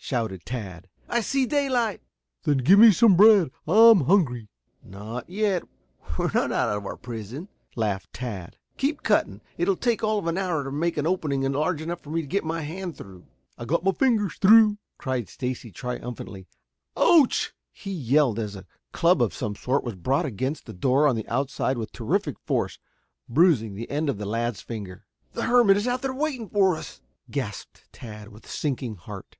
shouted Tad. "I see daylight." "Then give me some bread. I'm hungry." "Not yet. We're not out of our prison," laughed Tad. "Keep cutting. It will take all of an hour to make an opening large enough for me to get my hand through " "I got my finger through," cried Stacy triumphantly. "Ouch!" he yelled as a club of some sort was brought against the door on the outside with terrific force, bruising the end of the lad's finger. "The hermit is out there waiting for us!" gasped Tad, with sinking heart.